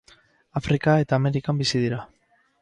Afrika eta Amerikan bizi dira.